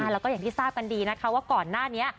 แล้วก็อย่างที่ทราบกันดีนะคะว่าก่อนหน้านี้